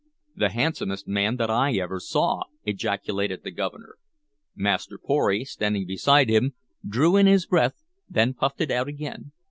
"The handsomest man that ever I saw!" ejaculated the Governor. Master Pory, standing beside him, drew in his breath, then puffed it out again.